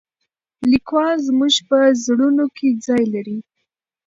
لیکوال زموږ په زړونو کې ځای لري.